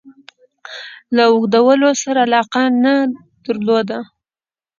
له اوږدولو سره علاقه نه درلوده.